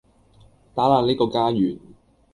打爛呢個家園